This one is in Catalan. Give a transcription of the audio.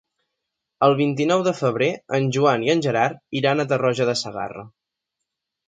El vint-i-nou de febrer en Joan i en Gerard iran a Tarroja de Segarra.